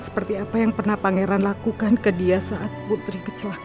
seperti apa yang pernah pangeran lakukan ke dia saat putri kecelakaan